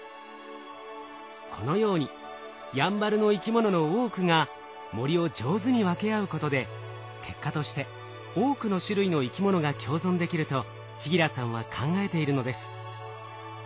このようにやんばるの生き物の多くが森を上手に分け合うことで結果として多くの種類の生き物が共存できると千木良さんは考えているのです。